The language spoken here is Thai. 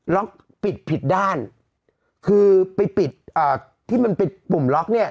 ล็อกปิดผิดด้านคือไปปิดอ่าที่มันเป็นปุ่มล็อกเนี่ย